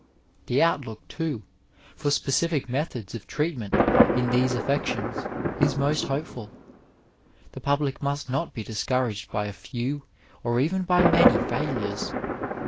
The outlook, too, for specific methods of treatment in these affections is most hopeful. The public must not be discouraged by a few, or even by many failures.